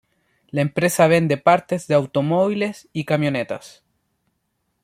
La empresa vende partes de automóviles y camionetas.